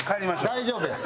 大丈夫や！